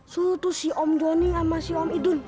suruh tuh si om jonny sama si om idun